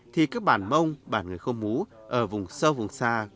thì các bản mông bản người khơ mú ở vùng sâu vùng xa